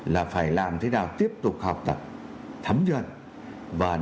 là phải làm thế nào tiếp tục đẩy lên một cái tầm cao mới nữa trong cái bối cảnh mới